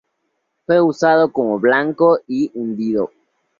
Fue usado como blanco y hundido.